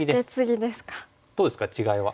どうですか違いは。